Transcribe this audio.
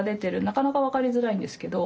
なかなか分かりづらいんですけど。